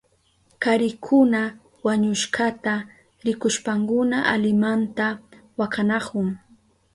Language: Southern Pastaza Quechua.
Karikuna wañushkata rikushpankuna alimanta wakanahun.